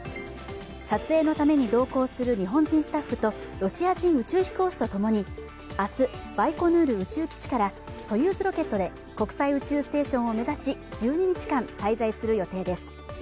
撮影のために同行する日本人スタッフとロシア人宇宙飛行士とともに明日バイコヌール宇宙基地からソユーズロケットで国際宇宙ステーションを目指し１２日間滞在する予定です。